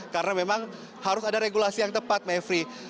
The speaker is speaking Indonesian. karena memang harus ada regulasi yang tepat mevri